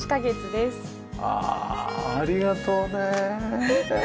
ああありがとうね。